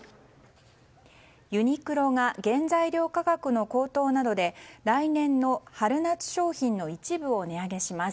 ユニクロが原材料価格の高騰などで来年の春夏商品の一部を値上げします。